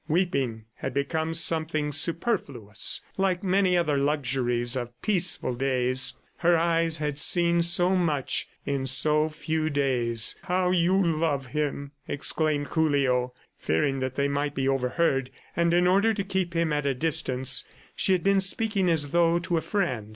Weeping had become something superfluous, like many other luxuries of peaceful days. Her eyes had seen so much in so few days! ... "How you love him!" exclaimed Julio. Fearing that they might be overheard and in order to keep him at a distance, she had been speaking as though to a friend.